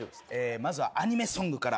まずはアニメソングから。